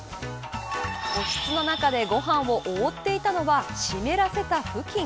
おひつの中でご飯を覆っていたのは湿らせた布巾。